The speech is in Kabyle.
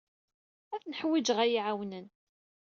Ad ten-ḥwijeɣ ad iyi-ɛawnen.